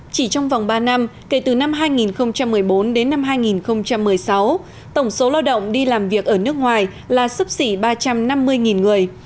chỉ trong vòng ba năm kể từ năm hai nghìn một mươi bốn đến năm hai nghìn một mươi sáu tổng số lao động đi làm việc ở nước ngoài là sấp xỉ ba trăm năm mươi người